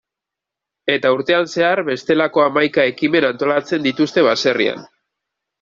Eta urtean zehar, bestelako hamaika ekimen antolatzen dituzte baserrian.